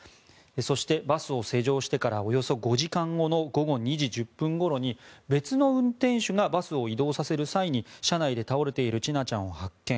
そして、バスを施錠してからおよそ５時間後の午後２時１０分ごろに別の運転手がバスを移動させる際に車内で倒れている千奈ちゃんを発見。